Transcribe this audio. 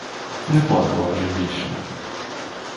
Не плакала вже більше.